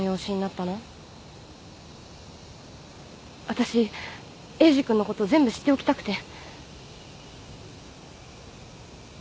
あたしエイジ君のこと全部知っておきたくて。